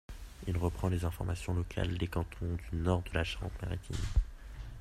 Il reprend les informations locales des cantons du nord de la Charente-Maritime.